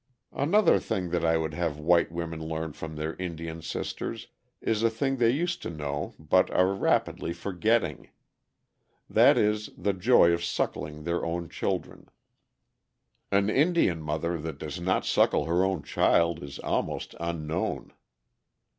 Another thing that I would have white women learn from their Indian sisters, is a thing they used to know but are rapidly forgetting. That is, the joy of suckling their own children. An Indian mother that does not suckle her own child is almost unknown.